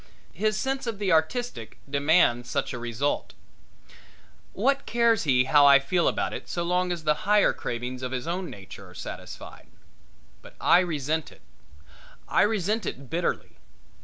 His sense of the artistic demands such a result. What cares he how I feel about it so long as the higher cravings of his own nature are satisfied? But I resent it I resent it bitterly.